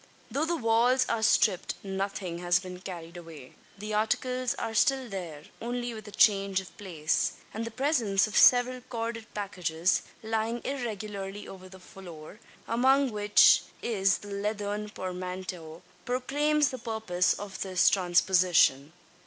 Though the walls are stripped nothing has been carried away. The articles are still there, only with a change of place; and the presence of several corded packages, lying irregularly over the floor among which is the leathern portmanteau proclaims the purpose of the transposition.